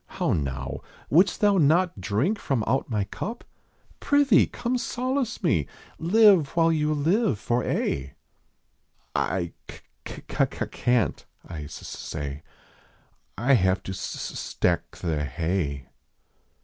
How now ; wouldst thou not drink from out my cup ? Prithee, come solace me! Live while you live, for aye." I c c ca ca can t," I s s say. " I have to s s stack the hay."